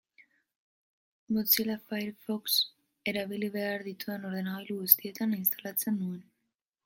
Mozilla Firefox erabili behar ditudan ordenagailu guztietan instalatzen nuen.